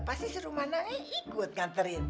pasti si rumana ini ikut ngantarin